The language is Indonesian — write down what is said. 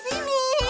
aduh si neneng gelis